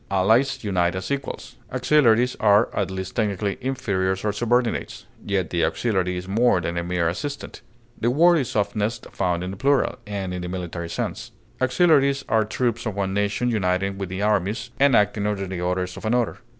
Allies unite as equals; auxiliaries are, at least technically, inferiors or subordinates. Yet the auxiliary is more than a mere assistant. The word is oftenest found in the plural, and in the military sense; auxiliaries are troops of one nation uniting with the armies, and acting under the orders, of another.